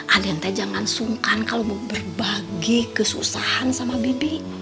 aden jangan sungkan kalau mau berbagi kesusahan sama bibi